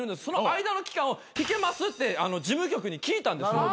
その間の期間を引けます？って事務局に聞いたんです。